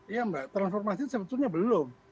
iya mbak transformasi sebetulnya belum